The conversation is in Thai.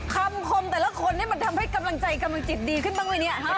คมแต่ละคนนี่มันทำให้กำลังใจกำลังจิตดีขึ้นบ้างไหมเนี่ย